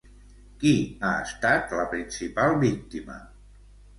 Qui ha estat la principal víctima?